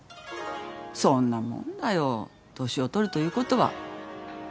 そんなもんだよ年を取るということは。